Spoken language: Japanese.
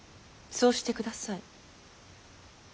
そうしてください。